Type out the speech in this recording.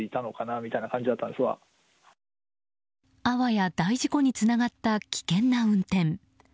あわや大事故につながった危険な運転。